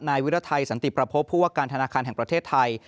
นายวิรไทยสันติประพบผู้ว่าการธนาคารแห่งประเทศไทย